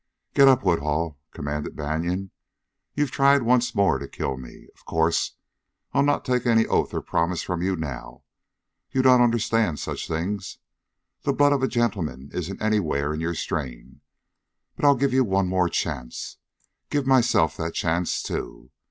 "Get up, Woodhull!" commanded Banion. "You've tried once more to kill me. Of course, I'll not take any oath or promise from you now. You don't understand such things. The blood of a gentleman isn't anywhere in your strain. But I'll give you one more chance give myself that chance too.